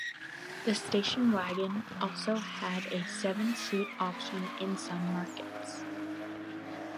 The station wagon also had a seven-seat option in some markets.